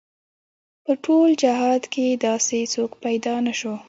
په ټول جهاد کې داسې څوک پيدا نه شو.